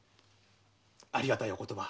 ありがたいお言葉。